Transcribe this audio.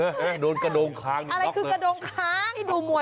อะไรคือกระดงคล้างนี่ดูมวยหรือดูหู้